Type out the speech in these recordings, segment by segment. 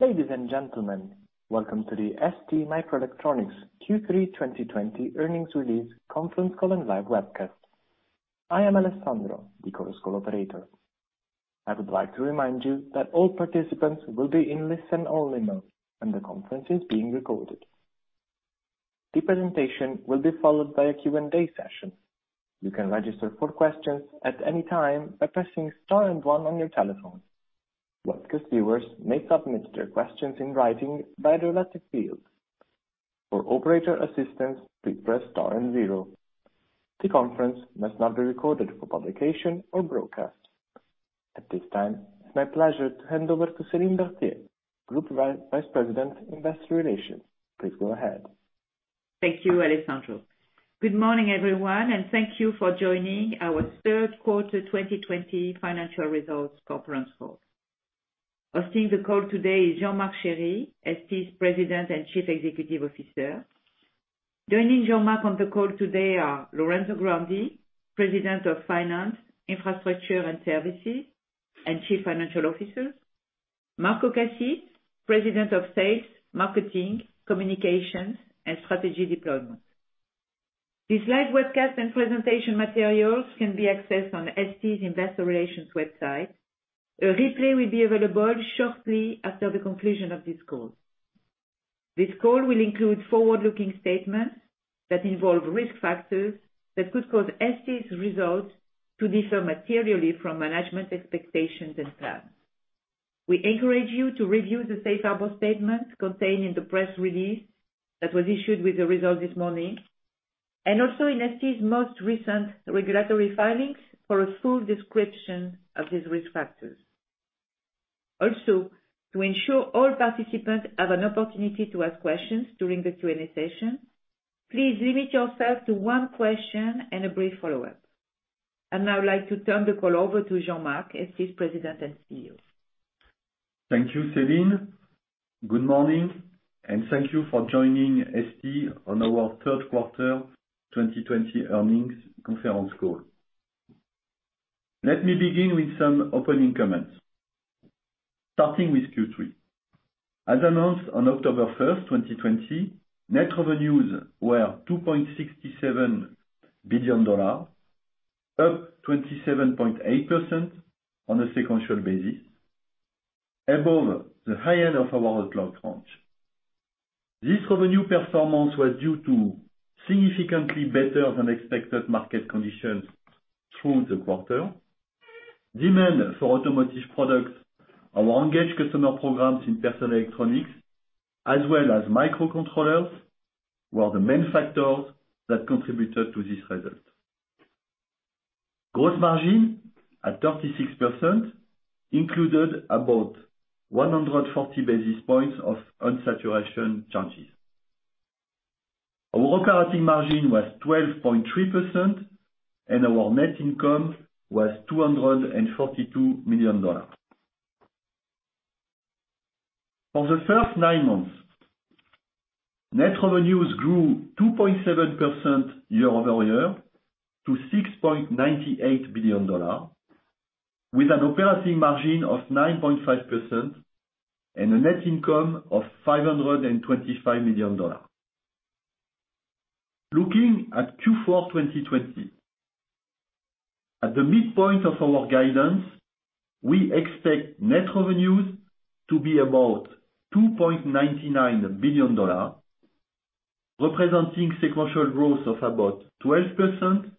Ladies and gentlemen, welcome to the STMicroelectronics Q3 2020 earnings release conference call and live webcast. I am Alessandro, the conference call operator. I would like to remind you that all participants will be in listen-only mode, and the conference is being recorded. The presentation will be followed by a Q&A session. You can register for questions at any time by pressing star and one on your telephone. Webcast viewers may submit their questions in writing via the related field. For operator assistance, please press star and zero. The conference must not be recorded for publication or broadcast. At this time, it's my pleasure to hand over to Céline Berthier, Group Vice President, Investor Relations. Please go ahead. Thank you, Alessandro. Good morning, everyone, and thank you for joining our third quarter 2020 financial results conference call. Hosting the call today is Jean-Marc Chéry, ST's President and Chief Executive Officer. Joining Jean-Marc on the call today are Lorenzo Grandi, President of Finance, Infrastructure, and Services and Chief Financial Officer, Marco Cassis, President of Sales, Marketing, Communications, and Strategy Deployment. This live webcast and presentation materials can be accessed on ST's Investor Relations website. A replay will be available shortly after the conclusion of this call. This call will include forward-looking statements that involve risk factors that could cause ST's results to differ materially from management expectations and plans. We encourage you to review the safe harbor statement contained in the press release that was issued with the results this morning, also in ST's most recent regulatory filings for a full description of these risk factors. Also, to ensure all participants have an opportunity to ask questions during the Q&A session, please limit yourself to one question and a brief follow-up. I would now like to turn the call over to Jean-Marc, ST's President and CEO. Thank you, Céline. Good morning, and thank you for joining ST on our third quarter 2020 earnings conference call. Let me begin with some opening comments. Starting with Q3. As announced on October 1st, 2020, net revenues were $2.67 billion, up 27.8% on a sequential basis above the high end of our outlook range. This revenue performance was due to significantly better than expected market conditions through the quarter. Demand for automotive products, our engaged customer programs in personal electronics, as well as microcontrollers, were the main factors that contributed to this result. Gross margin at 36% included about 140 basis points of unsaturation charges. Our operating margin was 12.3%, and our net income was $242 million. For the first nine months, net revenues grew 2.7% year-over-year to $6.98 billion, with an operating margin of 9.5% and a net income of $525 million. Looking at Q4 2020. At the midpoint of our guidance, we expect net revenues to be about $2.99 billion, representing sequential growth of about 12%,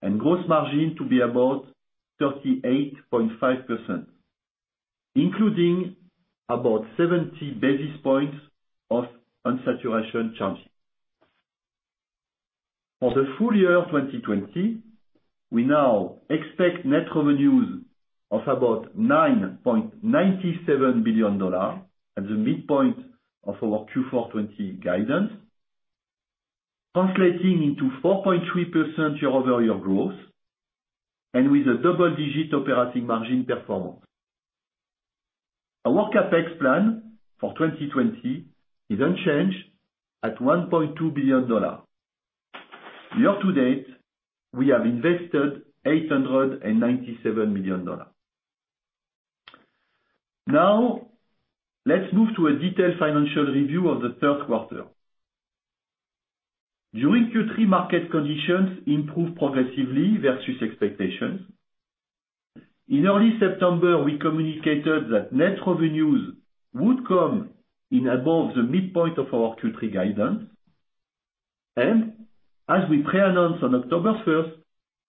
and gross margin to be about 38.5%, including about 70 basis points of unsaturation charges. For the full year 2020, we now expect net revenues of about $9.97 billion at the midpoint of our Q4 '20 guidance, translating into 4.3% year-over-year growth and with a double-digit operating margin performance. Our CapEx plan for 2020 is unchanged at $1.2 billion. Year to date, we have invested $897 million. Now, let's move to a detailed financial review of the third quarter. During Q3, market conditions improved progressively versus expectations. In early September, we communicated that net revenues would come in above the midpoint of our Q3 guidance. As we pre-announced on October 1st,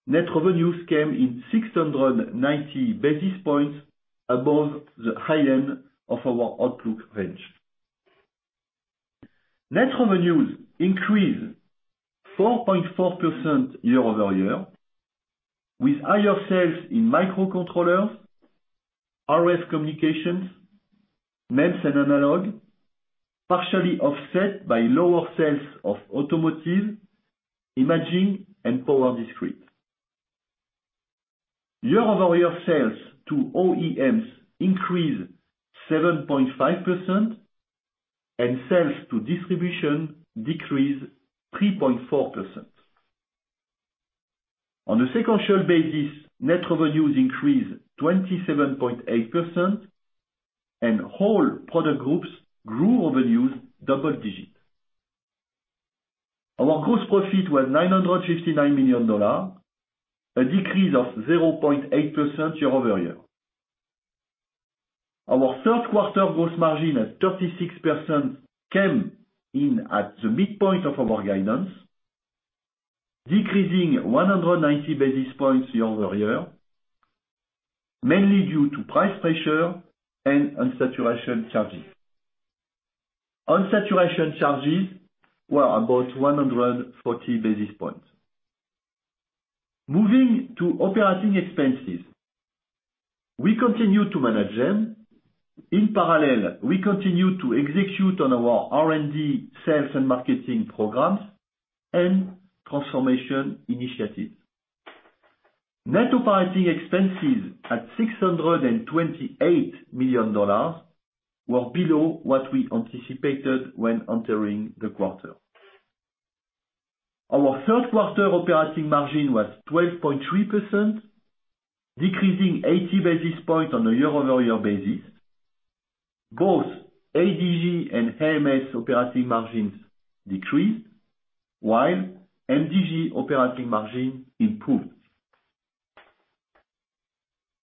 net revenues came in 690 basis points above the high end of our outlook range. Net revenues increased 4.4% year-over-year with higher sales in microcontrollers, RF communications, MEMS and analog, partially offset by lower sales of automotive, imaging, and power discrete. Year-over-year sales to OEMs increased 7.5%. Sales to distribution decreased 3.4%. On a sequential basis, net revenues increased 27.8%. Whole product groups grew revenues double digit. Our gross profit was $959 million, a decrease of 0.8% year-over-year. Our third quarter gross margin at 36% came in at the midpoint of our guidance, decreasing 190 basis points year-over-year, mainly due to price pressure and unsaturation charges. Unsaturation charges were about 140 basis points. Moving to operating expenses, we continue to manage them. In parallel, we continue to execute on our R&D sales and marketing programs and transformation initiatives. Net operating expenses at $628 million were below what we anticipated when entering the quarter. Our third quarter operating margin was 12.3%, decreasing 80 basis points on a year-over-year basis. Both ADG and AMS operating margins decreased, while MDG operating margin improved.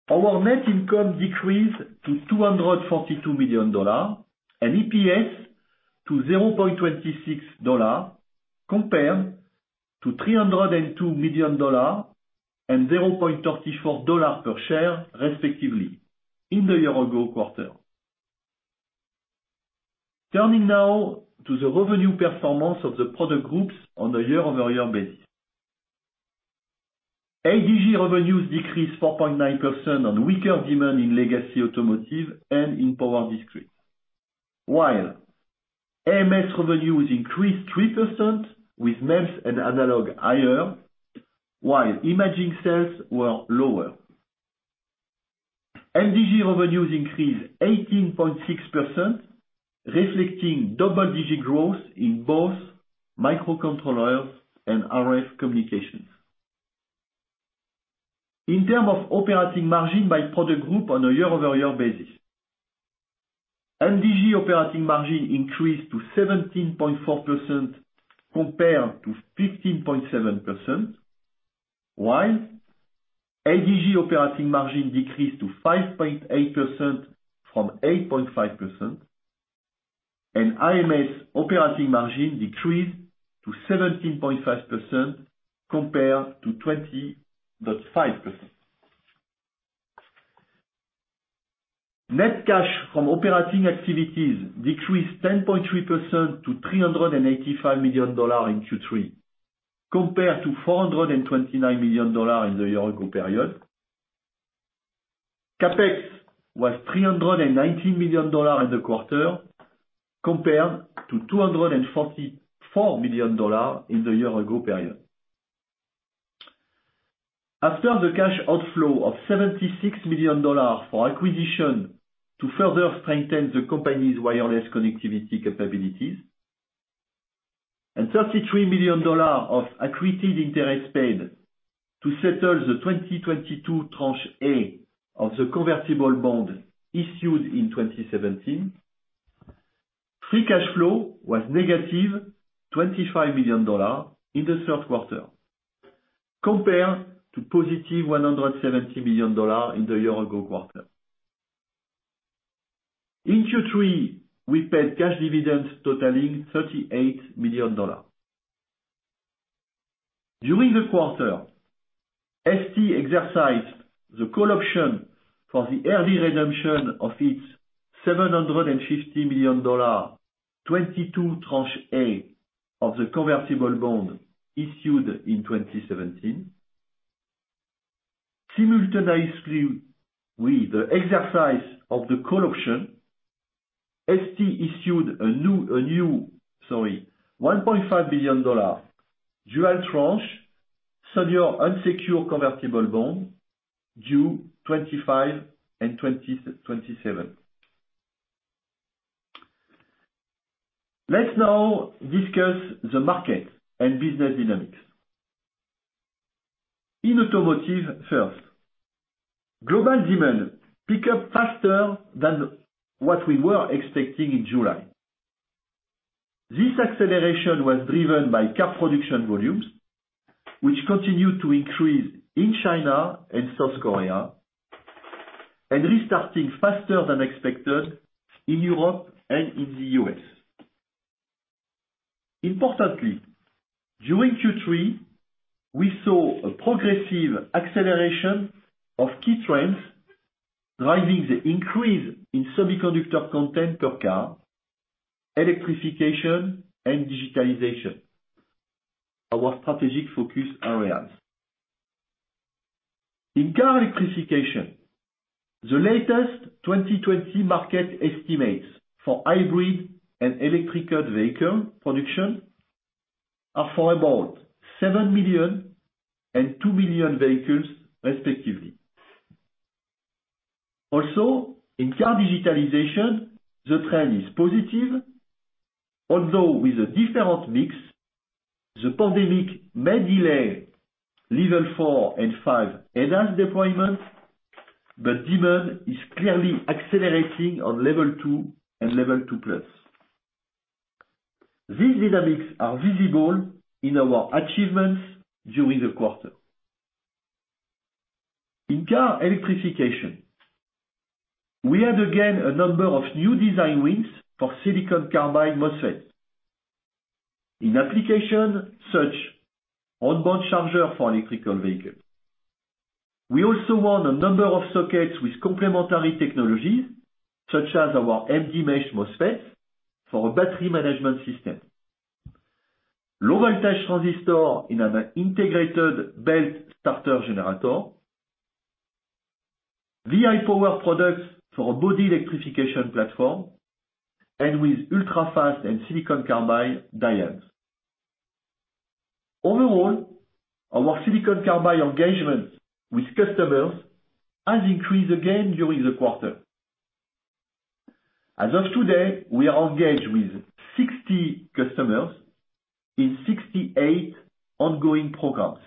Our net income decreased to $242 million and EPS to $0.26 compared to $302 million and $0.34 per share, respectively, in the year-ago quarter. Turning now to the revenue performance of the product groups on a year-over-year basis. ADG revenues decreased 4.9% on weaker demand in legacy automotive and in power discrete, while AMS revenues increased 3% with MEMS and analog higher, while imaging sales were lower. MDG revenues increased 18.6%, reflecting double-digit growth in both microcontrollers and RF communications. In terms of operating margin by product group on a year-over-year basis, MDG operating margin increased to 17.4% compared to 15.7%, while ADG operating margin decreased to 5.8% from 8.5%, and AMS operating margin decreased to 17.5% compared to 20.5%. Net cash from operating activities decreased 10.3% to $385 million in Q3, compared to $429 million in the year-ago period. CapEx was $390 million in the quarter, compared to $244 million in the year-ago period. After the cash outflow of $76 million for acquisition to further strengthen the company's wireless connectivity capabilities, and $33 million of accreted interest paid to settle the 2022 Tranche A of the convertible bond issued in 2017, free cash flow was -$25 million in the third quarter compared to +$170 million in the year-ago quarter. In Q3, we paid cash dividends totaling $38 million. During the quarter, ST exercised the call option for the early redemption of its $750 million, 2022 Tranche A of the convertible bond issued in 2017. Simultaneously with the exercise of the call option, ST issued a new, sorry, $1.5 billion dual tranche senior unsecured convertible bond due 2025 and 2027. Let's now discuss the market and business dynamics. In automotive first, global demand pick up faster than what we were expecting in July. This acceleration was driven by car production volumes, which continued to increase in China and South Korea, and restarting faster than expected in Europe and in the U.S. Importantly, during Q3, we saw a progressive acceleration of key trends driving the increase in semiconductor content per car, electrification, and digitalization, our strategic focus areas. In car electrification, the latest 2020 market estimates for hybrid and electric vehicle production are for about 7 million and 2 million vehicles, respectively. In car digitalization, the trend is positive, although with a different mix. The pandemic may delay Level 4 and 5 ADAS deployment, but demand is clearly accelerating on Level 2 and Level 2+. These dynamics are visible in our achievements during the quarter. In car electrification, we had, again, a number of new design wins for silicon carbide MOSFET. In application, such onboard charger for electrical vehicle. We also won a number of sockets with complementary technologies, such as our MDmesh MOSFET for a battery management system, low voltage transistor in an integrated belt starter generator, VIPower products for a body electrification platform, and with ultra-fast and silicon carbide diodes. Overall, our silicon carbide engagement with customers has increased again during the quarter. As of today, we are engaged with 60 customers in 68 ongoing programs.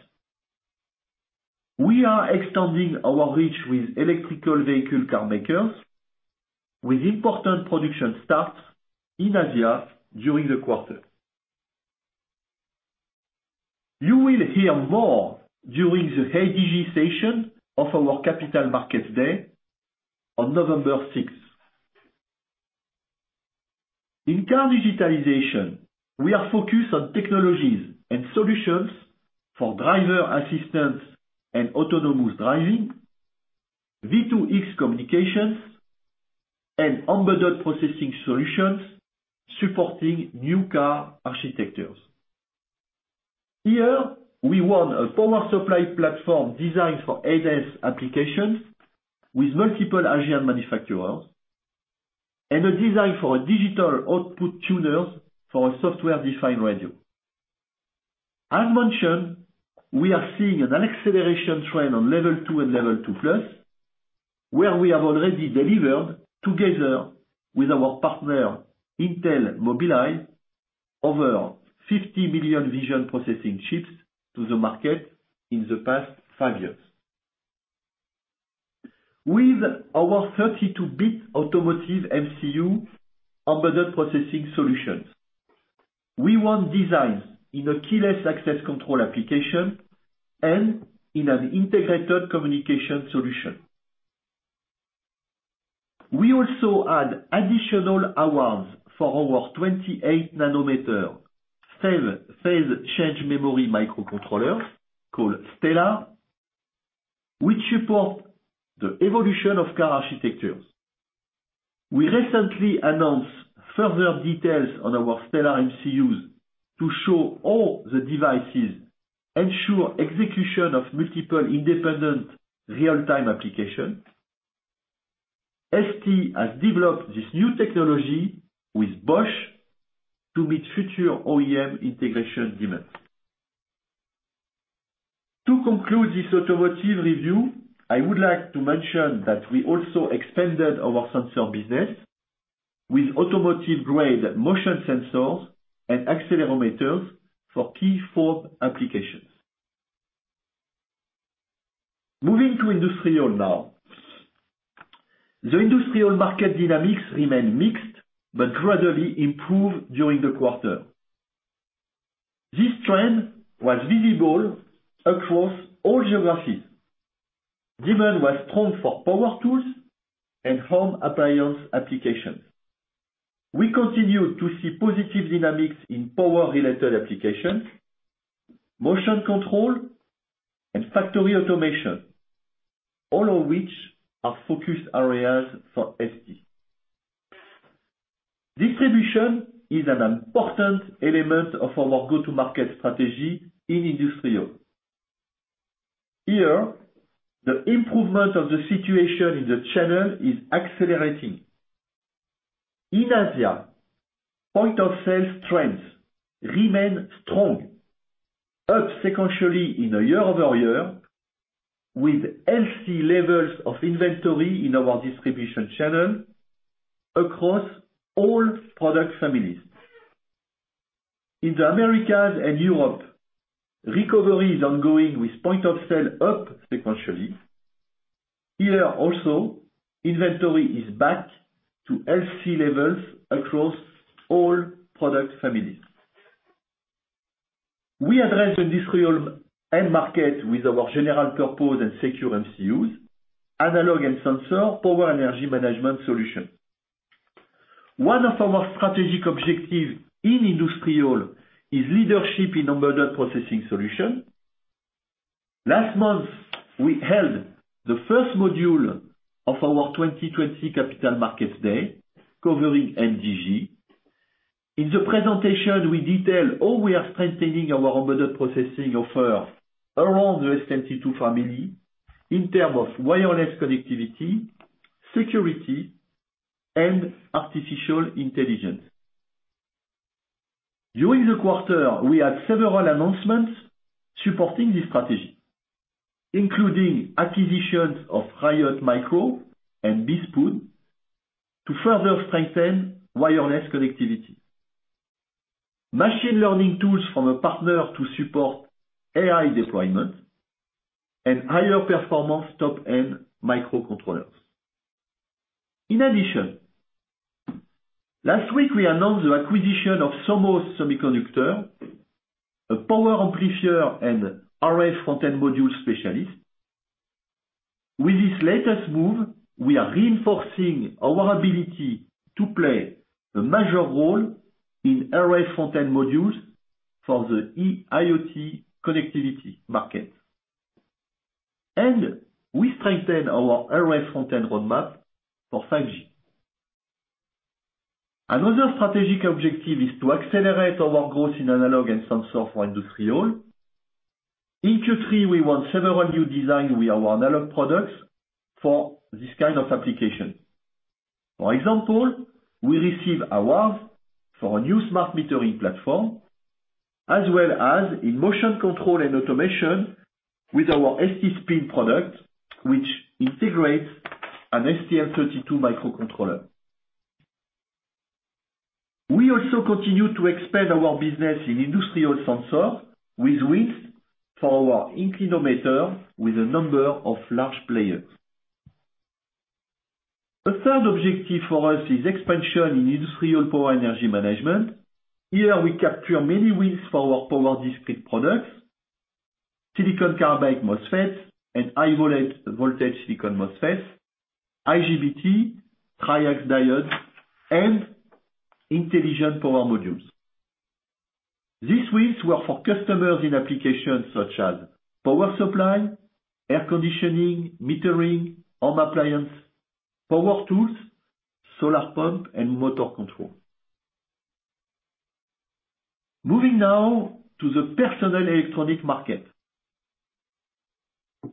We are extending our reach with electrical vehicle car makers with important production starts in Asia during the quarter. You will hear more during the ADG session of our Capital Markets Day on November 6th. In car digitalization, we are focused on technologies and solutions for driver assistance and autonomous driving, V2X communications, and embedded processing solutions supporting new car architectures. Here, we won a power supply platform designed for ADAS applications with multiple Asian manufacturers, and a design for a digital output tuner for a software-defined radio. As mentioned, we are seeing an acceleration trend on Level 2 and Level 2+, where we have already delivered, together with our partner Intel Mobileye, over 50 million vision processing chips to the market in the past five years. With our 32-bit automotive MCU embedded processing solutions, we want designs in a keyless access control application and in an integrated communication solution. We also had additional awards for our 28 nm phase-change memory microcontrollers, called Stellar, which support the evolution of car architectures. We recently announced further details on our Stellar MCUs to show all the devices ensure execution of multiple independent real-time applications. ST has developed this new technology with Bosch to meet future OEM integration demands. To conclude this automotive review, I would like to mention that we also expanded our sensor business with automotive-grade motion sensors and accelerometers for key fob applications. Moving to industrial now. The industrial market dynamics remain mixed but gradually improve during the quarter. This trend was visible across all geographies. Demand was strong for power tools and home appliance applications. We continue to see positive dynamics in power-related applications, motion control, and factory automation, all of which are focus areas for ST. Distribution is an important element of our go-to-market strategy in industrial. Here, the improvement of the situation in the channel is accelerating. In Asia, point of sale trends remain strong, up sequentially in a year-over-year, with healthy levels of inventory in our distribution channel across all product families. In the Americas and Europe, recovery is ongoing, with point of sale up sequentially. Here also, inventory is back to healthy levels across all product families. We address industrial end market with our general purpose and secure MCUs, analog and sensor, power energy management solution. One of our strategic objective in industrial is leadership in embedded processing solution. Last month, we held the first module of our 2020 Capital Markets Day covering MDG. In the presentation, we detail how we are strengthening our embedded processing offer around the STM32 family in terms of wireless connectivity, security, and artificial intelligence. During the quarter, we had several announcements supporting this strategy, including acquisitions of Riot Micro and BeSpoon, to further strengthen wireless connectivity. Machine learning tools from a partner to support AI deployment, and higher performance top-end microcontrollers. In addition, last week we announced the acquisition of SOMOS Semiconductor, a power amplifier and RF front-end module specialist. With this latest move, we are reinforcing our ability to play a major role in RF front-end modules for the IoT connectivity market, and we strengthen our RF front-end roadmap for 5G. Another strategic objective is to accelerate our growth in analog and sensor for industrial. In Q3, we won several new designs with our analog products for this kind of application. For example, we receive awards for a new smart metering platform, as well as in motion control and automation with our STSPIN product, which integrates an STM32 microcontroller. We also continue to expand our business in industrial sensor with wins for our inclinometer with a number of large players. The third objective for us is expansion in industrial power energy management. Here, we capture many wins for our power discrete products, silicon carbide MOSFETs, and high-voltage silicon MOSFETs, IGBT, triac diodes, and intelligent power modules. These wins were for customers in applications such as power supply, air conditioning, metering, home appliance, power tools, solar pump, and motor control. Moving now to the personal electronic market.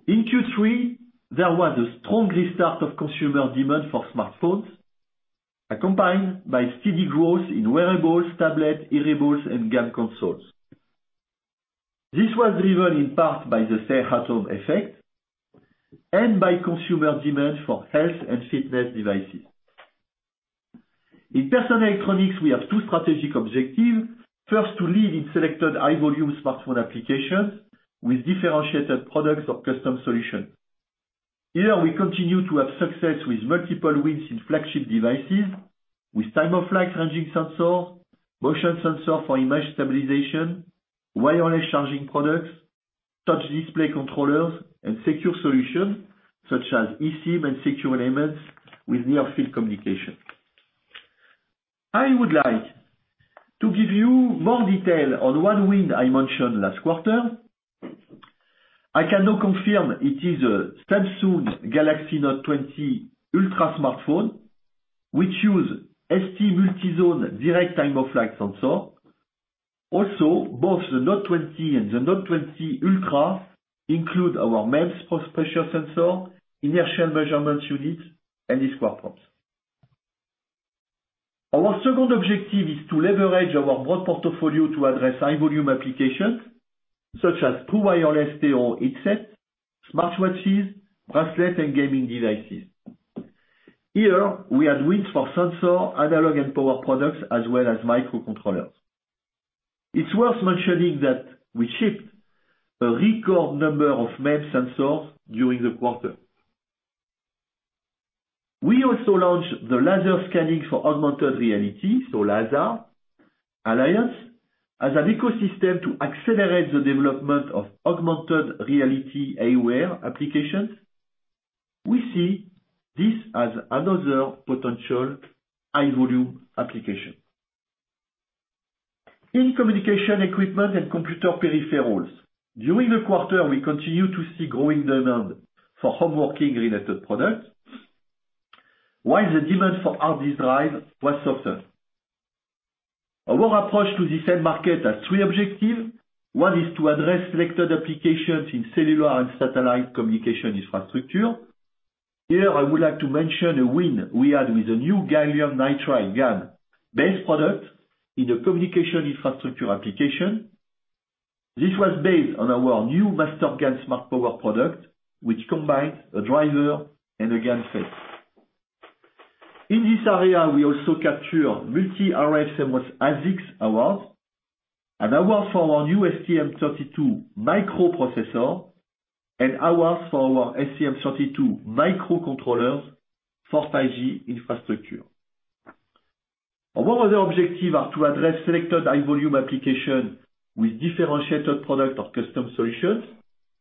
In Q3, there was a strong restart of consumer demand for smartphones, accompanied by steady growth in wearables, tablet, hearables, and game consoles. This was driven in part by the stay-at-home effect and by consumer demand for health and fitness devices. In personal electronics, we have two strategic objectives. First, to lead in selected high-volume smartphone applications with differentiated products or custom solutions. Here, we continue to have success with multiple wins in flagship devices with Time-of-Flight ranging sensor, motion sensor for image stabilization, wireless charging products, touch display controllers, and secure solutions such as eSIM and secure elements with near-field communication. I would like to give you more detail on one win I mentioned last quarter. I can now confirm it is a Samsung Galaxy Note20 Ultra smartphone, which use ST multi-zone direct Time-of-Flight sensor. Also, both the Note20 and the Note20 Ultra include our MEMS pressure sensor, inertial measurements unit, and eCompass. Our second objective is to leverage our broad portfolio to address high-volume applications such as true wireless stereo headset, smartwatches, bracelets, and gaming devices. Here, we had wins for sensor, analog, and power products, as well as microcontrollers. It's worth mentioning that we shipped a record number of MEMS sensors during the quarter. We also launched the Laser Scanning for Augmented Reality, so LaSAR, alliance as an ecosystem to accelerate the development of augmented reality eyewear applications. We see this as another potential high-volume application. In communication equipment and computer peripherals, during the quarter, we continue to see growing demand for home working-related products, while the demand for hard disk drive was softer. Our approach to this end market has three objectives. One is to address selected applications in cellular and satellite communication infrastructure. Here, I would like to mention a win we had with a new gallium nitride GaN-based product in the communication infrastructure application. This was based on our new MasterGaN smart power product, which combines a driver and a GaN FET. In this area, we also capture multi RF-CMOS ASICs awards, and award for our new STM32 microprocessor, and awards for our STM32 microcontrollers for 5G infrastructure. Our other objective are to address selected high-volume application with differentiated product or custom solutions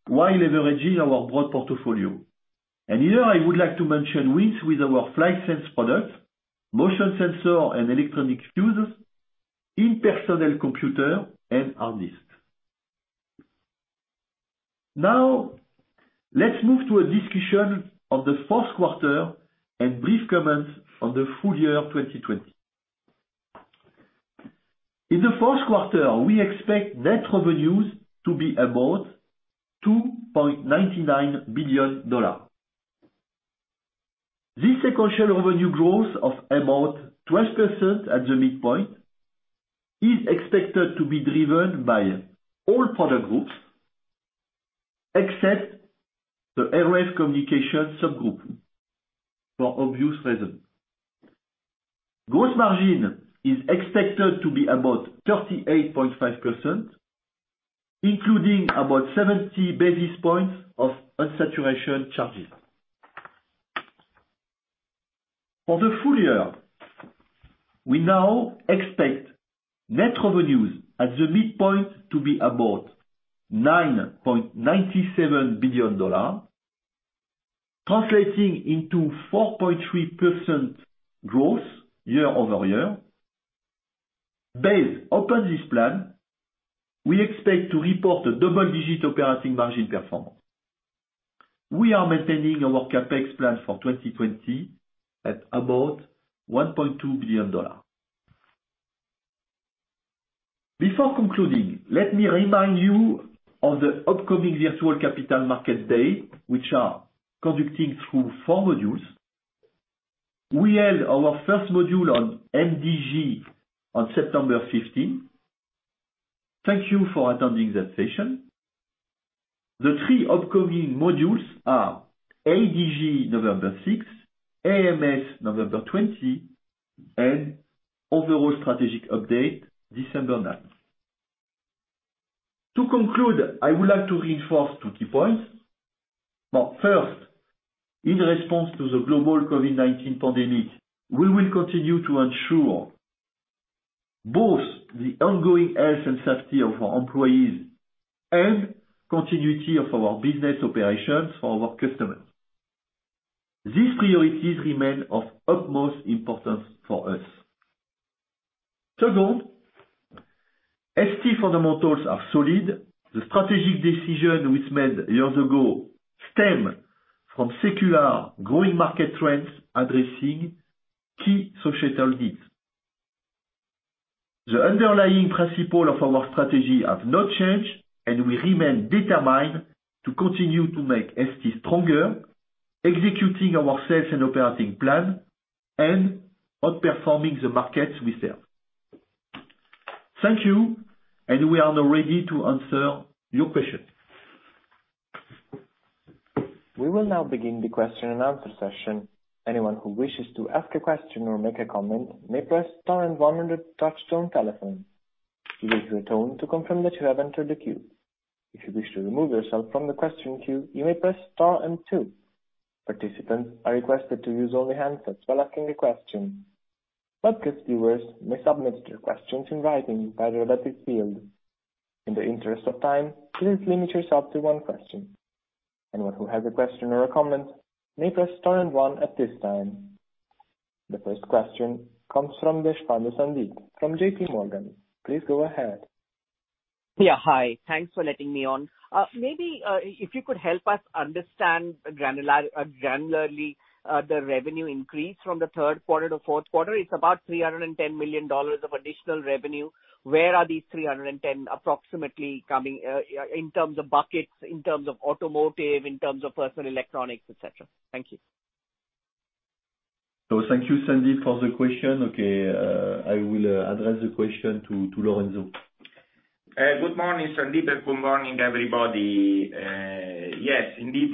while leveraging our broad portfolio. Here, I would like to mention wins with our FlightSense product, motion sensor, and electronic fuses in personal computer and hard disk. Now, let's move to a discussion on the fourth quarter and brief comments on the full year 2020. In the fourth quarter, we expect net revenues to be about $2.99 billion. This sequential revenue growth of about 12% at the midpoint is expected to be driven by all product groups, except the RF communication subgroup for obvious reasons. Gross margin is expected to be about 38.5%, including about 70 basis points of unsaturation charges. For the full year, we now expect net revenues at the midpoint to be about $9.97 billion, translating into 4.3% growth year-over-year. Based upon this plan, we expect to report a double-digit operating margin performance. We are maintaining our CapEx plan for 2020 at about $1.2 billion. Before concluding, let me remind you of the upcoming virtual Capital Markets Day, which are conducting through four modules. We held our first module on MDG on September 15. Thank you for attending that session. The three upcoming modules are ADG, November 6, AMS, November 20, and overall strategic update, December 9. To conclude, I would like to reinforce two key points. First, in response to the global COVID-19 pandemic, we will continue to ensure both the ongoing health and safety of our employees and continuity of our business operations for our customers. These priorities remain of utmost importance for us. Second, ST fundamentals are solid. The strategic decision we made years ago stem from secular growing market trends addressing key societal needs. The underlying principle of our strategy have not changed, and we remain determined to continue to make ST stronger, executing our sales and operating plan, and outperforming the markets we serve. Thank you, and we are now ready to answer your question. We will now begin the question and answer session. Anyone who wishes to ask a question or make a comment may press star and one on their touchtone telephone. You will hear a tone to confirm that you have entered the queue. If you wish to remove yourself from the question queue, you may press star and two. Participants are requested to use only handsets while asking a question. Webcast viewers may submit their questions in writing via the relevant field. In the interest of time, please limit yourself to one question. Anyone who has a question or a comment, may press star and one at this time. The first question comes from Sandeep Deshpande from JPMorgan. Please go ahead. Yeah. Hi. Thanks for letting me on. If you could help us understand granularly the revenue increase from the third quarter to fourth quarter. It's about $310 million of additional revenue. Where are these $310 approximately coming, in terms of buckets, in terms of automotive, in terms of personal electronics, et cetera. Thank you. Thank you, Sandeep, for the question. Okay. I will address the question to Lorenzo. Good morning, Sandeep, and good morning, everybody. Yes, indeed,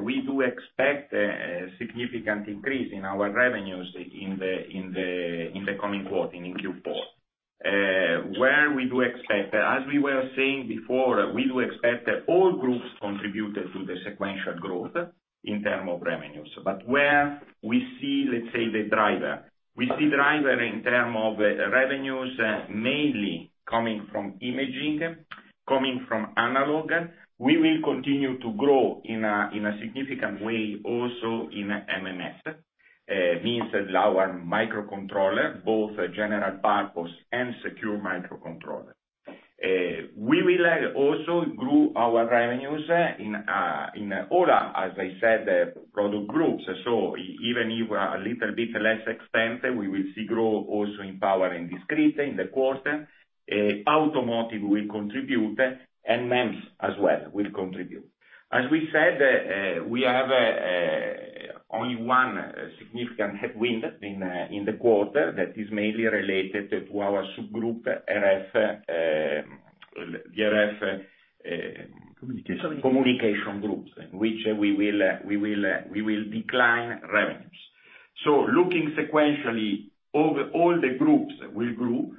we do expect a significant increase in our revenues in the coming quarter, in Q4. Where we do expect that? As we were saying before, we do expect that all groups contributed to the sequential growth in terms of revenues. Where we see, let's say, the driver? We see driver in terms of revenues mainly coming from imaging, coming from Analog. We will continue to grow in a significant way also in MNS, meaning our microcontroller, both general purpose and secure microcontroller. We will also grow our revenues in all, as I said, product groups. Even if we're a little bit less expense, we will see growth also in power and discrete in the quarter. Automotive will contribute and MEMS as well will contribute. As we said, we have only one significant headwind in the quarter that is mainly related to our subgroup, the RF- Communication. -communication groups, which we will decline revenues. Looking sequentially over all the groups that will grow,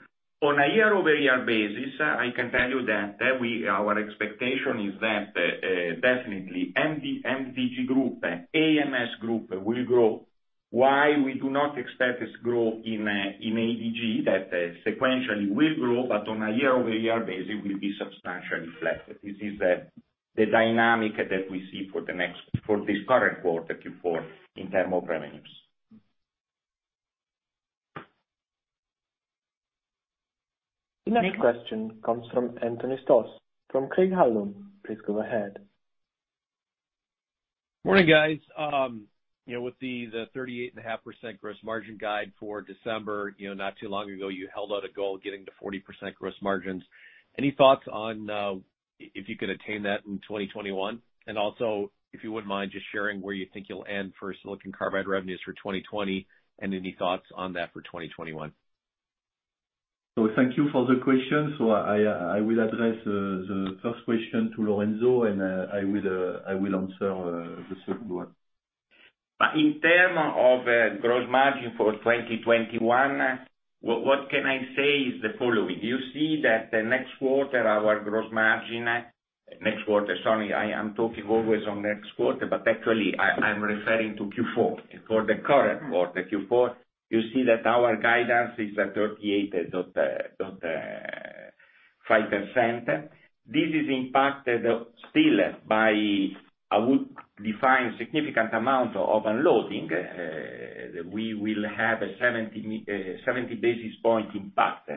on a year-over-year basis, I can tell you that our expectation is that definitely MDG group and AMS group will grow. Why we do not expect this growth in ADG, that sequentially will grow, but on a year-over-year basis will be substantially flat. This is the dynamic that we see for this current quarter, Q4, in terms of revenues. The next question comes from Anthony Stoss, from Craig-Hallum. Please go ahead. Morning, guys. With the 38.5% gross margin guide for December, not too long ago, you held out a goal of getting to 40% gross margins. Any thoughts on if you could attain that in 2021? Also, if you wouldn't mind just sharing where you think you'll end for silicon carbide revenues for 2020, and any thoughts on that for 2021? Thank you for the question. I will address the first question to Lorenzo, and I will answer the second one. In term of gross margin for 2021, what can I say is the following. Next quarter, sorry, I am talking always on next quarter, but actually, I'm referring to Q4. For the current quarter, Q4, you see that our guidance is at 38.5%. This is impacted still by, I would define, significant amount of unloading. We will have a 70 basis point impact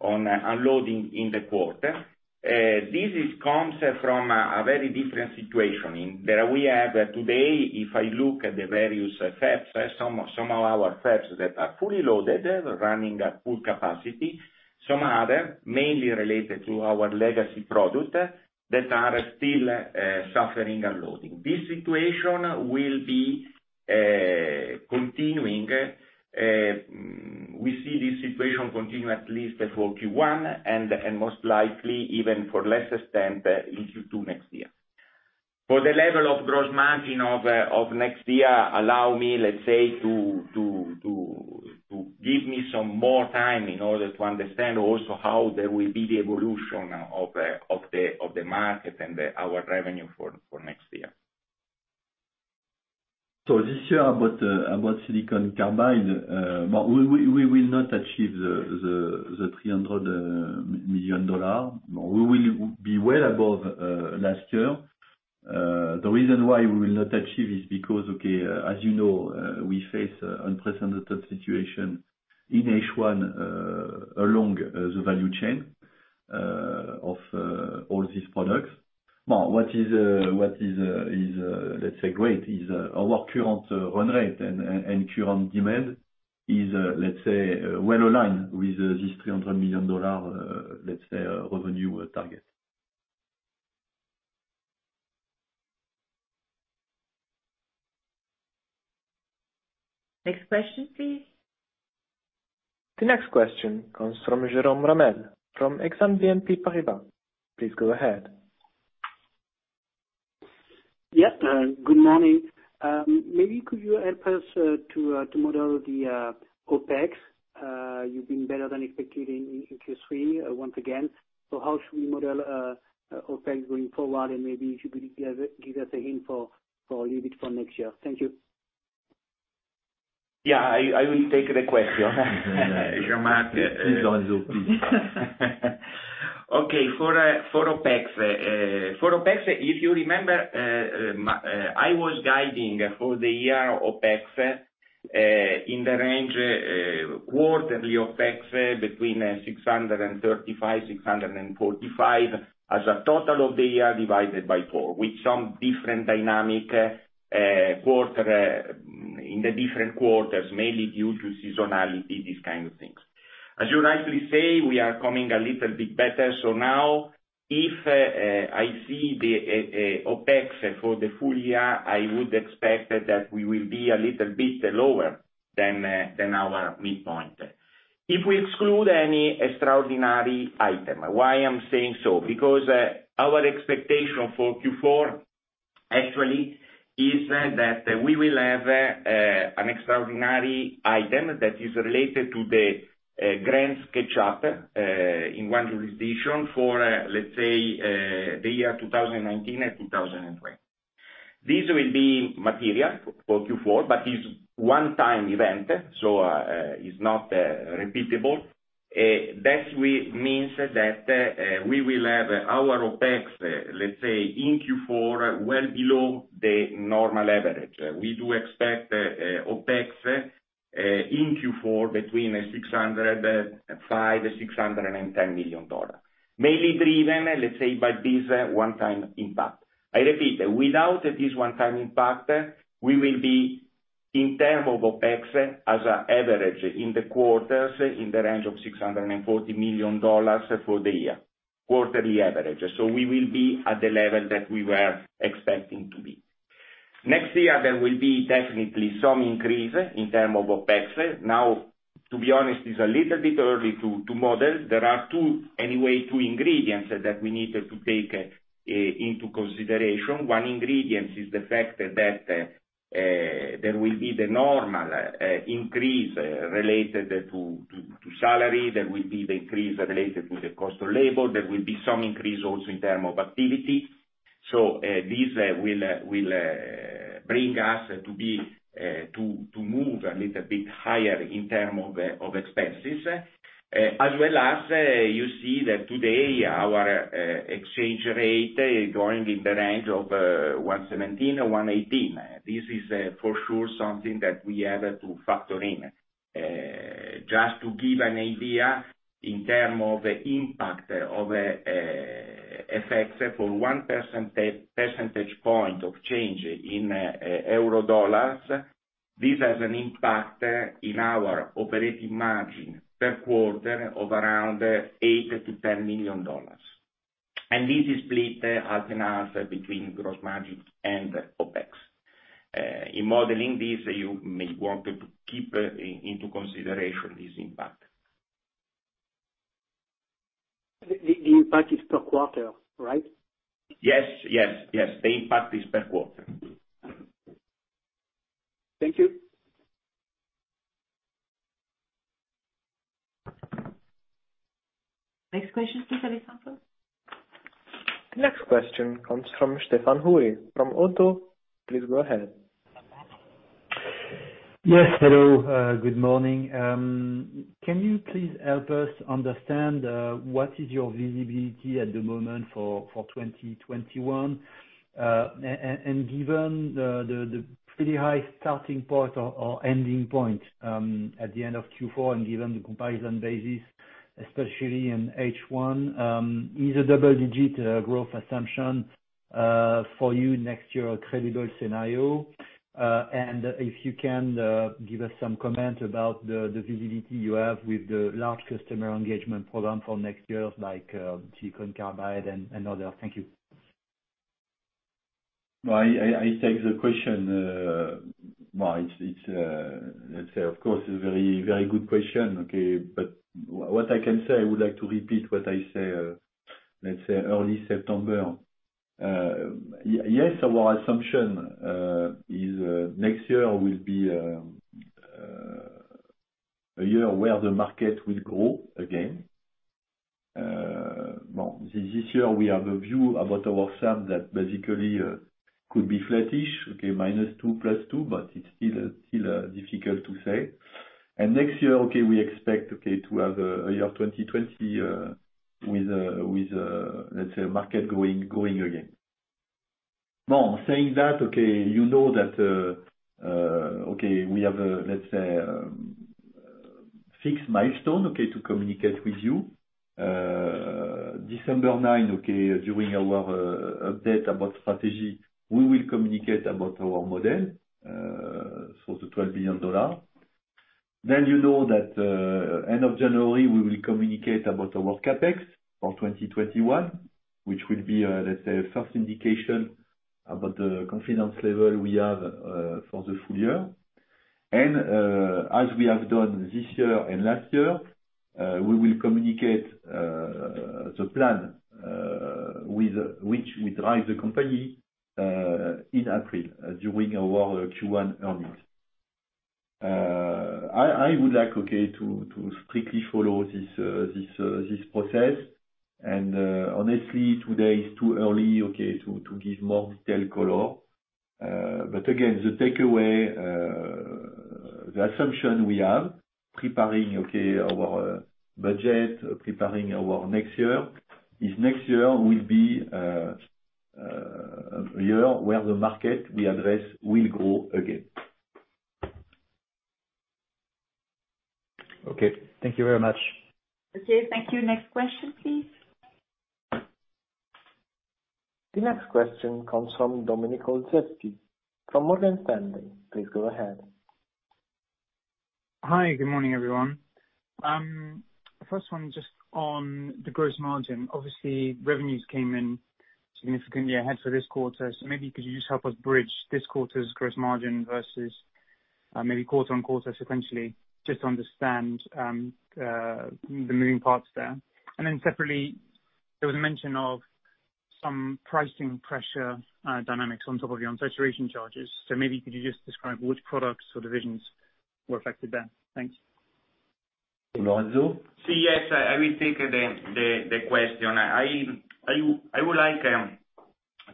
on unloading in the quarter. This comes from a very different situation in that we have today, if I look at the various fabs, some of our fabs that are fully loaded, running at full capacity, some are other, mainly related to our legacy product, that are still suffering unloading. This situation will be continuing. We see this situation continue at least for Q1, and most likely even for less extent into next year. For the level of gross margin of next year, allow me, let's say, to give me some more time in order to understand also how there will be the evolution of the market and our revenue for next year. This year about silicon carbide, we will not achieve the $300 million. We will be well above last year. The reason why we will not achieve is because, okay, as you know, we face unprecedented situation in H1, along the value chain of all these products. What is, let's say, great is our current run rate and current demand is, let's say, well aligned with this $300 million, let's say, revenue target. Next question, please. The next question comes from Jerome Ramel from Exane BNP Paribas. Please go ahead. Yeah, good morning. Maybe could you help us to model the OpEx? You've been better than expected in Q3 once again. How should we model OpEx going forward? Maybe if you could give us a hint for a little bit for next year. Thank you. I will take the question. For OpEx, if you remember, I was guiding for the year OpEx, in the range quarterly OpEx between $635-$645 as a total of the year divided by four, with some different dynamic in the different quarters, mainly due to seasonality, these kind of things. As you rightly say, we are coming a little bit better. Now, if I see the OpEx for the full year, I would expect that we will be a little bit lower than our midpoint. If we exclude any extraordinary item. Why I'm saying so, because, our expectation for Q4 actually is that we will have an extraordinary item that is related to the grant catch up, in one jurisdiction for, let's say, the year 2019 and 2020. This will be material for Q4, but is one-time event, so is not repeatable. That means that we will have our OpEx, let's say, in Q4, well below the normal average. We do expect OpEx in Q4 between $605 million-$610 million. Mainly driven, let's say, by this one-time impact. I repeat, without this one-time impact, we will be, in term of OpEx, as an average in the quarters, in the range of $640 million for the year, quarterly average. We will be at the level that we were expecting to be. Next year, there will be definitely some increase in term of OpEx. To be honest, it's a little bit early to model. There are anyway two ingredients that we need to take into consideration. One ingredient is the fact that there will be the normal increase related to salary. There will be the increase related to the cost of labor. There will be some increase also in terms of activity. This will bring us to move a little bit higher in terms of expenses, as well as you see that today our exchange rate going in the range of 117-118. This is for sure something that we have to factor in. Just to give an idea in terms of impact of effects for one percentage point of change in euro, dollars, this has an impact in our operating margin per quarter of around $8 million-$10 million. This is split half and half between gross margin and OpEx. In modeling this, you may want to keep into consideration this impact. The impact is per quarter, right? Yes. The impact is per quarter. Thank you. Next question, please, operator. The next question comes from Stéphane Houri from ODDO. Please go ahead. Yes. Hello, good morning. Can you please help us understand, what is your visibility at the moment for 2021? Given the pretty high starting point or ending point, at the end of Q4, given the comparison basis, especially in H1, is a double-digit growth assumption for you next year a credible scenario? If you can give us some comment about the visibility you have with the large customer engagement program for next year, like Silicon Carbide and others. Thank you. I take the question. It's, let's say, of course, a very good question. Okay. What I can say, I would like to repeat what I say, let's say early September. Yes, our assumption is next year will be a year where the market will grow again. Well, this year we have a view about ourself that basically could be flattish. Okay, minus two plus two, but it's still difficult to say. Next year, okay, we expect to have a year 2020 with, let's say, market growing again. Now, saying that, you know that we have a fixed milestone to communicate with you. December 9, during our update about strategy, we will communicate about our model for the $12 billion. You know that end of January, we will communicate about our CapEx for 2021, which will be, let's say, first indication about the confidence level we have for the full year. As we have done this year and last year, we will communicate the plan with which we drive the company in April during our Q1 earnings. I would like, okay, to strictly follow this process. Honestly, today is too early to give more detailed color. Again, the takeaway, the assumption we have preparing our budget, preparing our next year, is next year will be a year where the market we address will grow again. Okay. Thank you very much. Okay, thank you. Next question, please. The next question comes from Dominik Olszewski from Morgan Stanley. Please go ahead. Hi, good morning, everyone. First one, just on the gross margin. Obviously, revenues came in significantly ahead for this quarter. Maybe could you just help us bridge this quarter's gross margin versus maybe quarter-on-quarter sequentially, just to understand the moving parts there. Separately, there was a mention of some pricing pressure dynamics on top of your unsaturation charges. Maybe could you just describe which products or divisions were affected there? Thanks. Lorenzo? Yes. I will take the question. I would like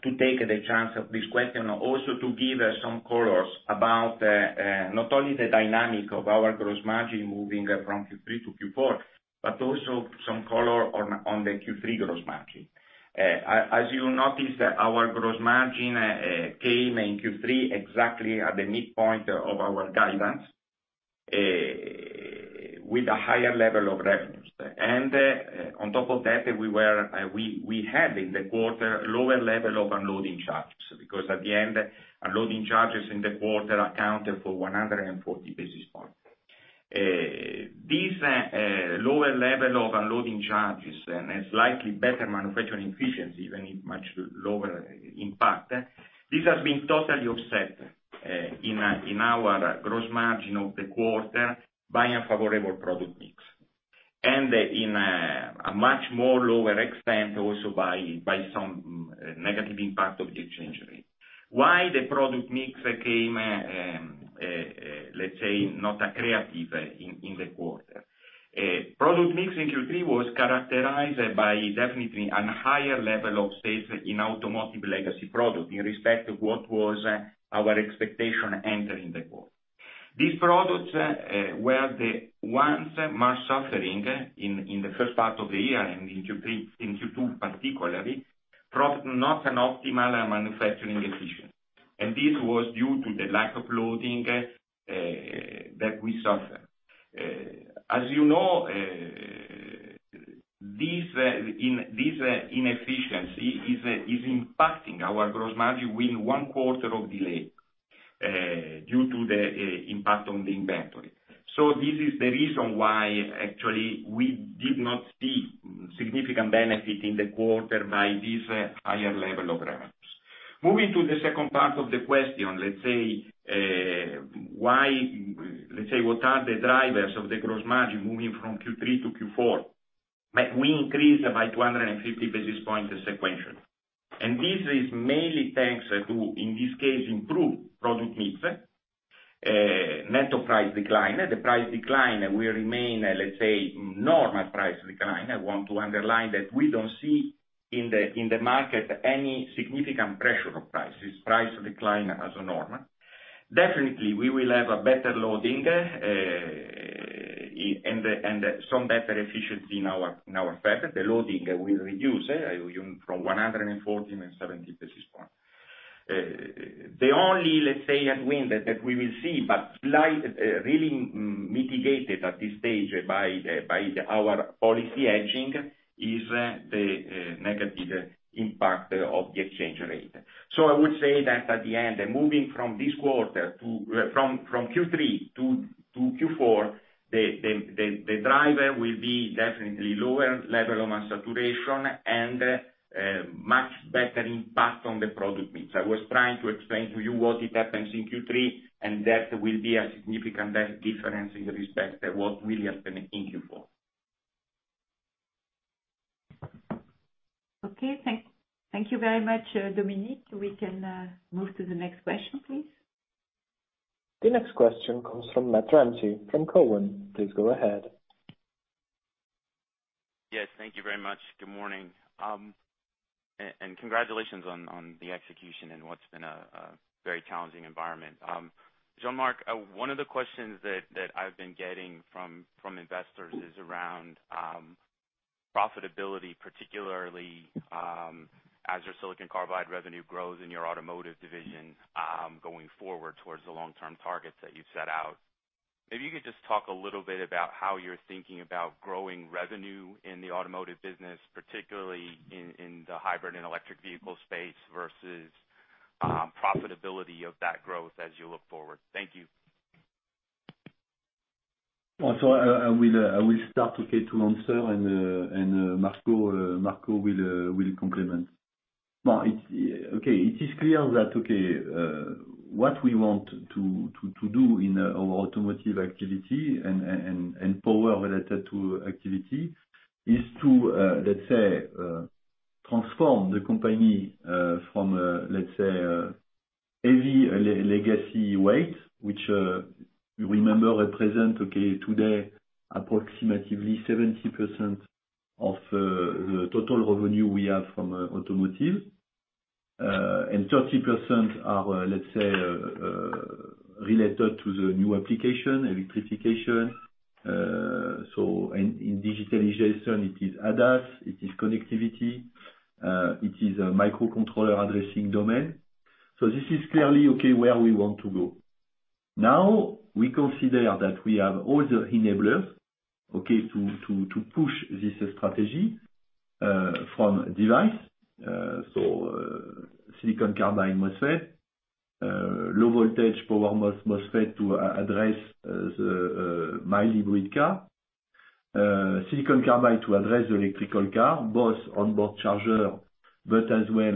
to take the chance of this question also to give some colors about not only the dynamic of our gross margin moving from Q3 to Q4, but also some color on the Q3 gross margin. As you notice that our gross margin came in Q3 exactly at the midpoint of our guidance, with a higher level of revenues. On top of that, we had in the quarter, lower level of unloading charges, because at the end, unloading charges in the quarter accounted for 140 basis points. This lower level of unloading charges and a slightly better manufacturing efficiency, even if much lower impact, this has been totally offset in our gross margin of the quarter by unfavorable product mix. In a much more lower extent, also by some negative impact of the exchange rate. Why the product mix came, let's say, not creative in the quarter? Product mix in Q3 was characterized by definitely an higher level of sales in automotive legacy product in respect to what was our expectation entering the quarter. These products were the ones much suffering in the first part of the year and in Q2 particularly, from not an optimal manufacturing decision. This was due to the lack of loading that we suffer. As you know, this inefficiency is impacting our gross margin with one quarter of delay due to the impact on the inventory. This is the reason why, actually, we did not see significant benefit in the quarter by this higher level of revenues. Moving to the second part of the question, let's say, what are the drivers of the gross margin moving from Q3 to Q4? We increased by 250 basis points sequentially, and this is mainly thanks to, in this case, improved product mix, net price decline. The price decline will remain, let's say, normal price decline. I want to underline that we don't see in the market any significant pressure of prices. Price decline as a norm. Definitely, we will have a better loading, and some better efficiency in our fab. The loading will reduce from 140 and 70 basis point. The only, let's say, headwind that we will see but really mitigated at this stage by our policy hedging is the negative impact of the exchange rate. I would say that at the end, moving from Q3 to Q4, the driver will be definitely lower level of saturation and much better impact on the product mix. I was trying to explain to you what happens in Q3, and that will be a significant difference in respect to what will happen in Q4. Okay. Thank you very much, Dominik. We can move to the next question, please. The next question comes from Matt Ramsay from Cowen. Please go ahead. Yes, thank you very much. Good morning. Congratulations on the execution in what's been a very challenging environment. Jean-Marc, one of the questions that I've been getting from investors is around profitability, particularly as your silicon carbide revenue grows in your Automotive division, going forward towards the long-term targets that you've set out. Maybe you could just talk a little bit about how you're thinking about growing revenue in the Automotive business, particularly in the hybrid and electric vehicle space versus profitability of that growth as you look forward. Thank you. I will start to answer and Marco will complement. It is clear that what we want to do in our automotive activity and power-related activity is to transform the company from heavy legacy weight, which, you remember at present, today, approximately 70% of the total revenue we have from automotive, and 30% are related to the new application, electrification. In digitalization, it is ADAS, it is connectivity, it is a microcontroller addressing domain. This is clearly where we want to go. Now, we consider that we have all the enablers to push this strategy from device. Silicon carbide MOSFET, low voltage power MOSFET to address the mild hybrid car, silicon carbide to address the electrical car, both onboard charger, but as well,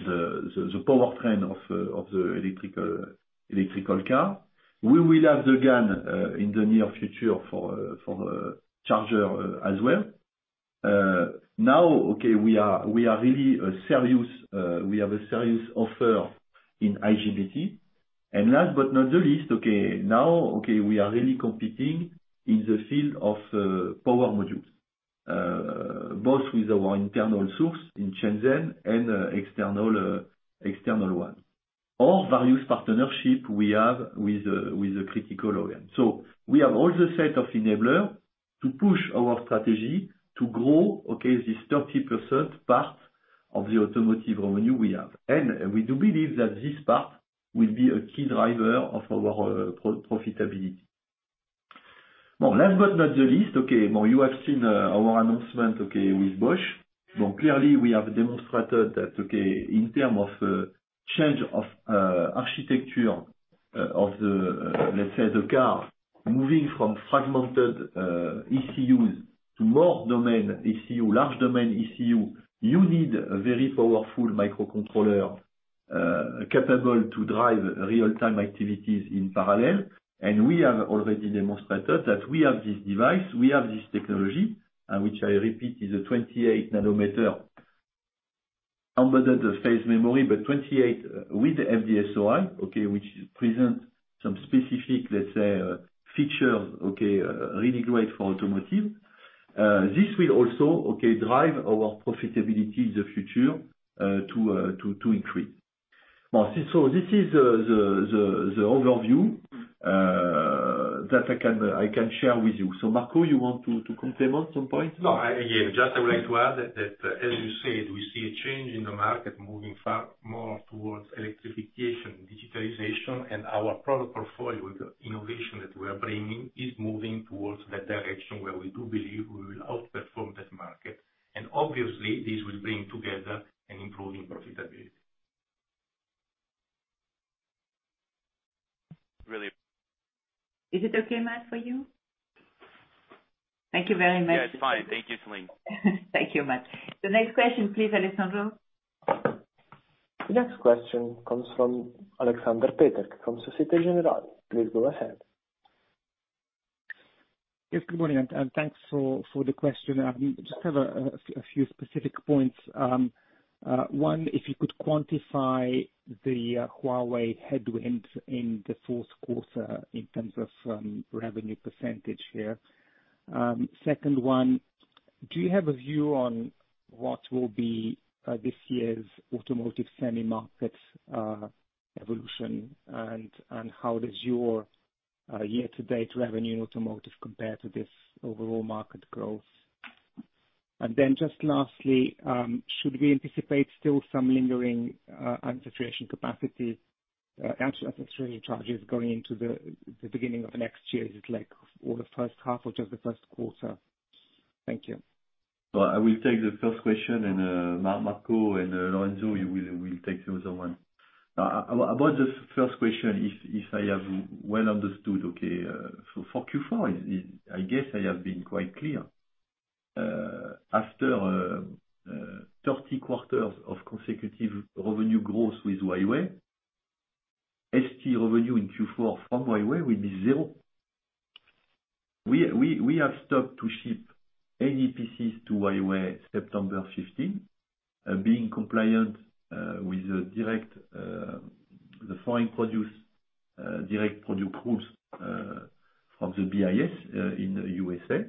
the powertrain of the electrical car. We will have the GaN in the near future for charger as well. Now, we have a serious offer in IGBT. Last but not the least, now, we are really competing in the field of power modules. Both with our internal source in Shenzhen and external ones, or various partnership we have with a critical OEM. We have all the set of enabler to push our strategy to grow, this 30% part of the automotive revenue we have. We do believe that this part will be a key driver of our profitability. Last but not the least, you have seen our announcement with Bosch. Clearly we have demonstrated that in term of change of architecture of the, let's say the car, moving from fragmented ECUs to more domain ECU, large domain ECU, you need a very powerful microcontroller, capable to drive real-time activities in parallel. We have already demonstrated that we have this device, we have this technology, and which I repeat, is a 28 nanometer embedded phase-change memory, but 28 with FD-SOI, which present some specific, let's say, features, really great for automotive. This will also drive our profitability in the future to increase. This is the overview that I can share with you. Marco, you want to complement some points? No, just I would like to add that as you said, we see a change in the market moving far more towards electrification, digitalization, and our product portfolio innovation that we are bringing is moving towards that direction where we do believe we will outperform that market. Obviously this will bring together an improving profitability. Really. Is it okay, Matt, for you? Thank you very much. Yeah, it's fine. Thank you, Céline. Thank you, Matt. The next question, please, Alessandro. The next question comes from Alexander Peterc from Societe Generale. Please go ahead. Yes. Good morning, and thanks for the question. I just have a few specific points. One, if you could quantify the Huawei headwind in the fourth quarter in terms of revenue percentage here. Second one, do you have a view on what will be this year's automotive semi market evolution, and how does your year-to-date revenue in automotive compare to this overall market growth? Then just lastly, should we anticipate still some lingering unsaturation capacity, unsaturation charges going into the beginning of next year? Is it like all the first half or just the first quarter? Thank you. I will take the first question and, Marco and Lorenzo will take the other one. About the first question, if I have well understood, okay. For Q4, I guess I have been quite clear. After 30 quarters of consecutive revenue growth with Huawei, ST revenue in Q4 from Huawei will be zero. We have stopped to ship any PCs to Huawei September 15, being compliant with the foreign direct product rules, from the BIS in the U.S.A.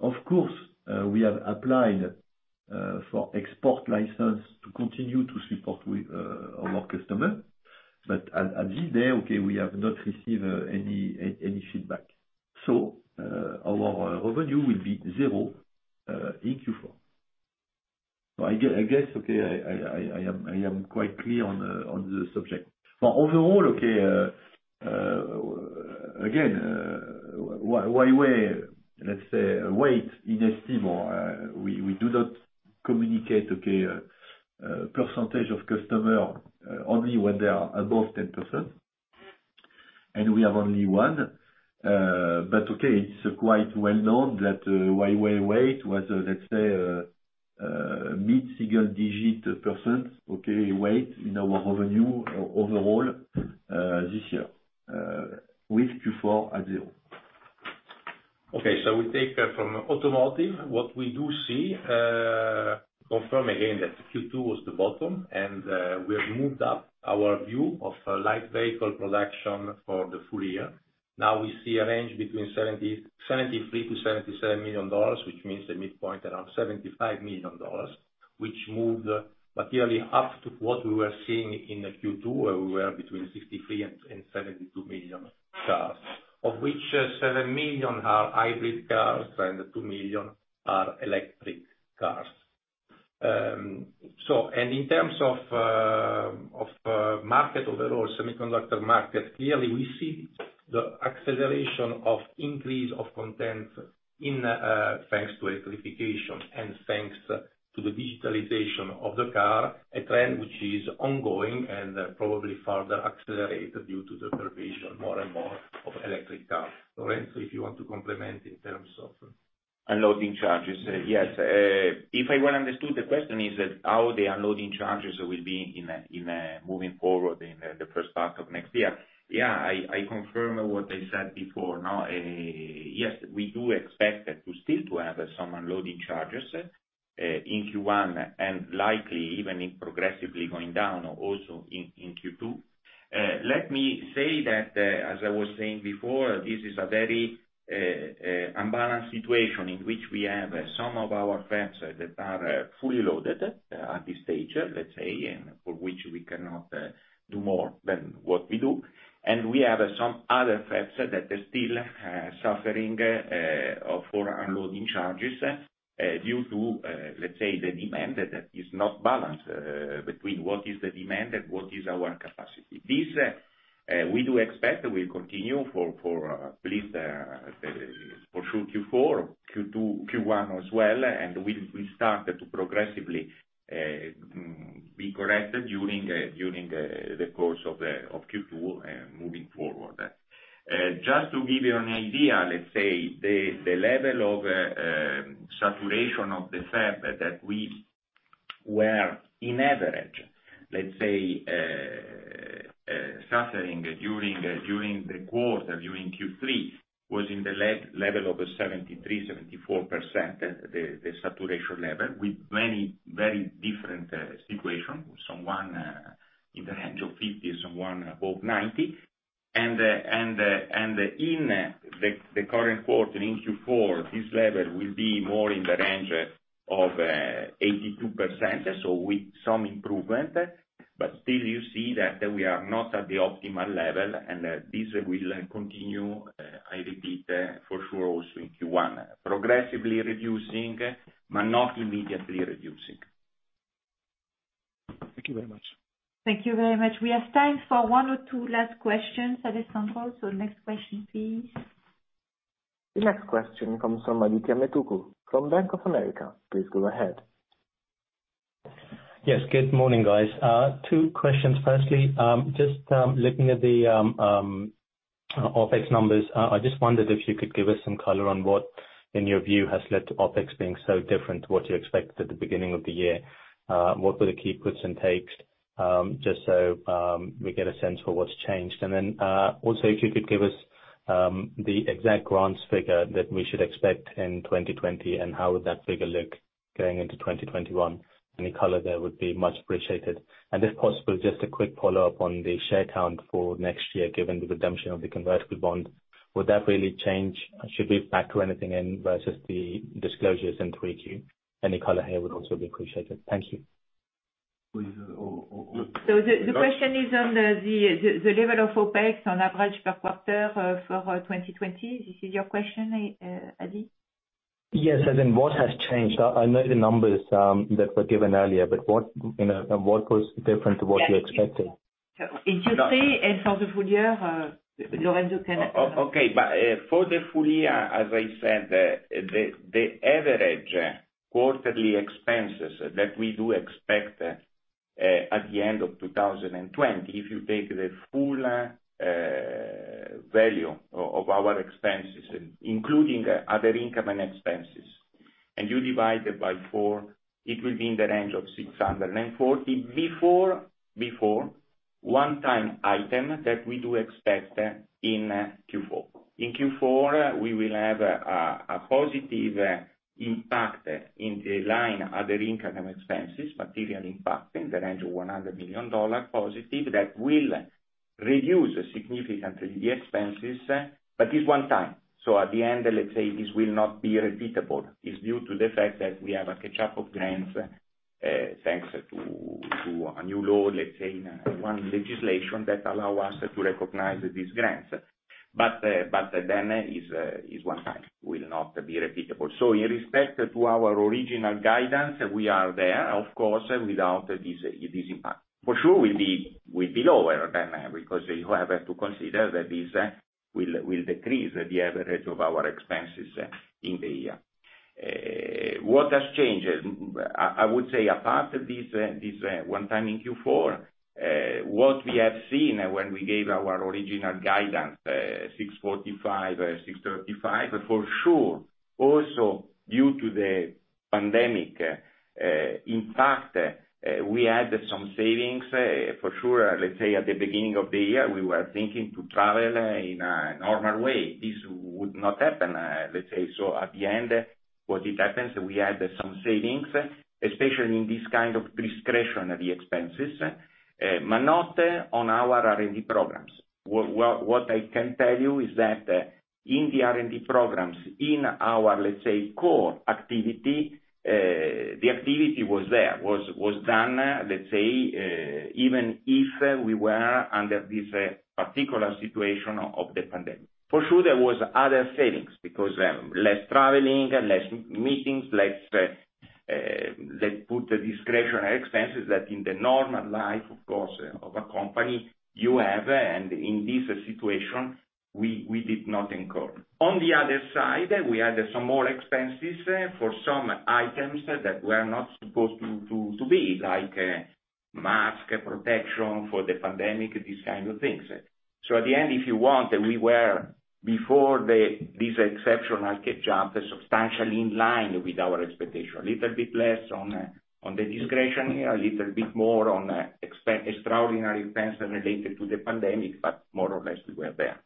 Of course, we have applied for export license to continue to support our customer. As of this day, okay, we have not received any feedback. Our revenue will be zero in Q4. I guess, okay, I am quite clear on the subject. Overall, okay, again, Huawei, let's say, weight in ST, we do not communicate, okay, percentage of customer, only when they are above 10%. We have only one. Okay, it's quite well-known that Huawei weight was, let's say, mid-single digit percent, okay, weight in our revenue overall this year, with Q4 at zero. Okay. We take from automotive, what we do see, confirm again that Q2 was the bottom, and we have moved up our view of light vehicle production for the full year. Now we see a range between $73 million-$77 million, which means the midpoint around $75 million, which moved materially up to what we were seeing in Q2, where we were between 63 million and 72 million cars, of which seven million are hybrid cars and two million are electric cars. In terms of market overall, semiconductor market, clearly we see the acceleration of increase of content thanks to electrification and thanks to the digitalization of the car, a trend which is ongoing and probably further accelerated due to the proliferation more and more of electric cars. Lorenzo, if you want to complement in terms of- Unloading charges. Yes. If I well understood, the question is that how the unloading charges will be moving forward in the first part of next year. Yeah, I confirm what I said before. Yes, we do expect to still have some unloading charges in Q1 and likely even in progressively going down also in Q2. Let me say that, as I was saying before, this is a very unbalanced situation in which we have some of our fabs that are fully loaded at this stage, let's say, and for which we cannot do more than what we do. We have some other fabs that are still suffering for unloading charges due to, let's say, the demand that is not balanced between what is the demand and what is our capacity. This, we do expect will continue for at least for sure Q4, Q2, Q1 as well, and will start to progressively be corrected during the course of Q2 and moving forward. Just to give you an idea, let's say, the level of saturation of the fab that we were, in average, let's say, suffering during the quarter, during Q3, was in the level of 73%-74%, the saturation level, with many very different situation. Someone in the range of 50%, someone above 90%. In the current quarter, in Q4, this level will be more in the range of 82%, so with some improvement. Still you see that we are not at the optimal level, and this will continue, I repeat, for sure also in Q1. Progressively reducing, but not immediately reducing. Thank you very much. Thank you very much. We have time for one or two last questions, Alessandro. Next question, please. The next question comes from Adithya Metuku from Bank of America. Please go ahead. Yes. Good morning, guys. Two questions. Firstly, just looking at the OpEx numbers, I just wondered if you could give us some color on what, in your view, has led to OpEx being so different to what you expected at the beginning of the year. What were the key puts and takes? Just so we get a sense for what's changed. Then also, if you could give us the exact grants figure that we should expect in 2020, and how would that figure look going into 2021? Any color there would be much appreciated. If possible, just a quick follow-up on the share count for next year, given the redemption of the convertible bond. Would that really change? Should we factor anything in versus the disclosures in 3Q? Any color here would also be appreciated. Thank you. The question is on the level of OpEx on average per quarter for 2020. This is your question, Adithya? Yes, as in what has changed. I know the numbers that were given earlier, but what was different to what you expected? If you see, and for the full year, Lorenzo can answer that. Okay. For the full year, as I said, the average quarterly expenses that we do expect at the end of 2020, if you take the full value of our expenses, including other income and expenses, and you divide it by four, it will be in the range of $640 before one time item that we do expect in Q4. In Q4, we will have a positive impact in the line other income expenses, material impact in the range of $100 million positive that will reduce significantly the expenses. It's one time. At the end, let's say, this will not be repeatable. It's due to the fact that we have a catch-up of grants, thanks to a new law, let's say, one legislation that allow us to recognize these grants. It's one time, will not be repeatable. In respect to our original guidance, we are there, of course, without this impact. For sure, we'll be lower than that because you have to consider that this will decrease the average of our expenses in the year. What has changed? I would say apart this one time in Q4, what we have seen when we gave our original guidance, $645-$635, for sure, also due to the pandemic. In fact, we had some savings, for sure. Let's say, at the beginning of the year, we were thinking to travel in a normal way. This would not happen. Let's say, at the end, what it happens, we had some savings, especially in this kind of discretionary expenses, but not on our R&D programs. What I can tell you is that in the R&D programs, in our, let's say, core activity, the activity was there, was done, let's say, even if we were under this particular situation of the pandemic. There was other savings because less traveling, less meetings, let's put the discretionary expenses that in the normal life, of course, of a company you have, and in this situation, we did not incur. We had some more expenses for some items that were not supposed to be, like mask protection for the pandemic, these kinds of things. At the end, if you want, we were, before this exceptional catch-up, substantially in line with our expectation. A little bit less on the discretionary, a little bit more on extraordinary expenses related to the pandemic, but more or less we were there.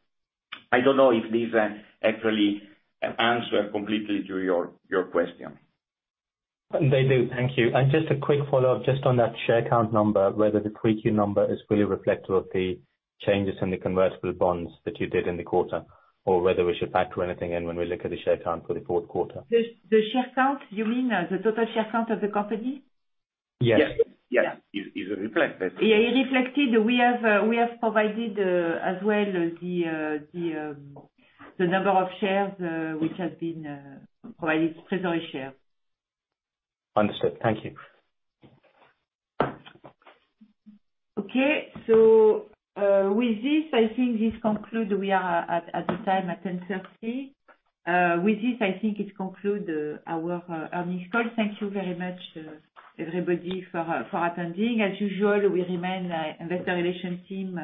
I don't know if this actually answer completely to your question. They do. Thank you. Just a quick follow-up just on that share count number, whether the 3Q number is fully reflective of the changes in the convertible bonds that you did in the quarter, or whether we should factor anything in when we look at the share count for the fourth quarter. The share count, you mean the total share count of the company? Yes. Yes. Is reflected. Reflected. We have provided, as well, the number of shares, which has been provided, plus I'll share. Understood. Thank you. Okay. With this, I think this concludes. We are at the time, at 10:30 A.M. With this, I think it concludes our earnings call. Thank you very much, everybody, for attending. As usual, we remain, investor relations team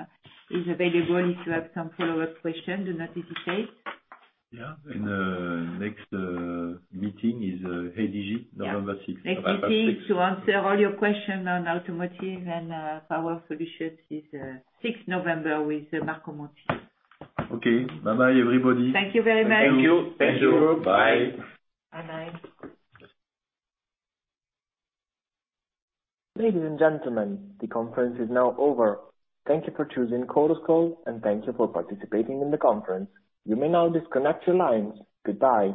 is available if you have some follow-up question. Do not hesitate. Yeah. Next meeting is ADG, November 6th. ADG to answer all your questions on automotive and power solutions is 6th November with Marco Monti. Okay. Bye bye, everybody. Thank you very much. Thank you. Thank you. Bye. Bye bye. Ladies and gentlemen, the conference is now over. Thank you for choosing Chorus Call, and thank you for participating in the conference. You may now disconnect your lines. Goodbye.